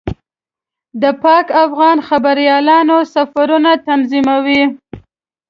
د پاک افغان خبریالانو سفرونه تنظیموي.